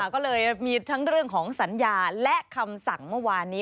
ก็เลยมีทั้งเรื่องของสัญญาและคำสั่งเมื่อวานนี้